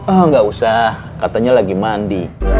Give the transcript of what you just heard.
oh nggak usah katanya lagi mandi